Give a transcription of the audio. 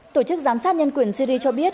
tổ chức giám sát nhân quyền syria cho biết